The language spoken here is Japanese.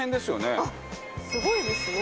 奈緒：すごいですね。